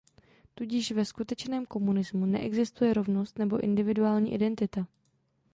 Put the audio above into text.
Tudíž ve skutečném komunismu neexistuje rovnost nebo individuální identita.